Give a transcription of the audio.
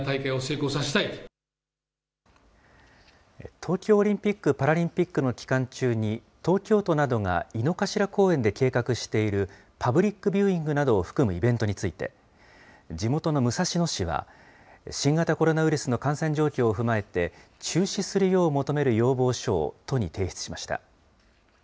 東京オリンピック・パラリンピックの期間中に、東京都などが井の頭公園で計画しているパブリックビューイングなどを含むイベントについて、地元の武蔵野市は、新型コロナウイルスの感染状況を踏まえて、中止するよう求める要望書を都に提出しました。